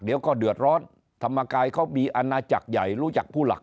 เดี๋ยวก็เดือดร้อนธรรมกายเขามีอาณาจักรใหญ่รู้จักผู้หลัก